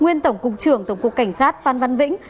nguyên tổng cục trưởng tổng cục cảnh sát phan văn vĩnh